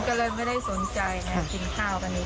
ก็เลยไม่ได้สนใจไงกินข้าวกันนี้